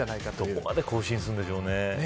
どこまで更新するんでしょうね。